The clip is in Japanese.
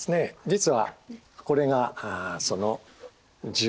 実はこれがその銃。